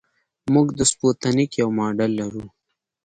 موږ د سپوتنیک یو ماډل لرو